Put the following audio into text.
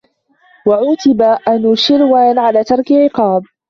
وَعُوتِبَ أَنُوشِرْوَانَ عَلَى تَرْكِ عِقَابِ